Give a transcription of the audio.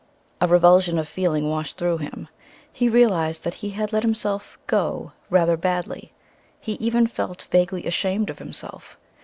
A revulsion of feeling washed through him. He realized that he had let himself "go" rather badly. He even felt vaguely ashamed of himself.